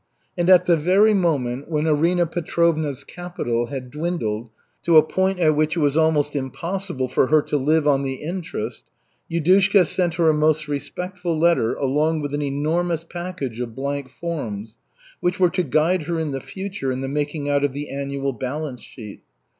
And at the very moment when Arina Petrovna's capital had dwindled to a point at which it was almost impossible for her to live on the interest, Yudushka sent her a most respectful letter along with an enormous package of blank forms, which were to guide her in the future in the making out of the annual balance sheet.